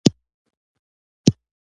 مشروطیت غورځنګ ملي سیاست اهداف لرل.